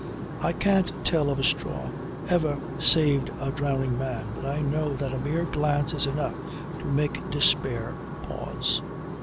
I can't tell if a straw ever saved a drowning man, but I know that a mere glance is enough to make despair pause.